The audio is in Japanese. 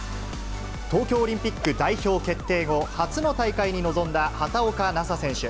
東京オリンピック代表決定後、初の大会に臨んだ畑岡奈紗選手。